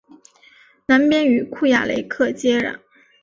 南边与库雅雷克接壤。